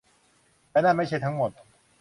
และนั่นไม่ใช่ทั้งหมด